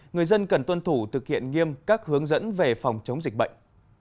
người dân cần tuân thủ thực hiện nghiêm các hướng dẫn về phòng chống dịch bệnh